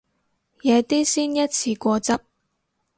夜啲先一次過執